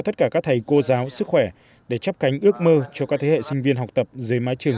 tất cả các thầy cô giáo sức khỏe để chấp cánh ước mơ cho các thế hệ sinh viên học tập dưới mái trường